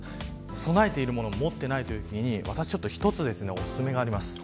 備えているものを持っていないときに一つ、お薦めがあります。